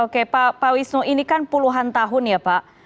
oke pak wisnu ini kan puluhan tahun ya pak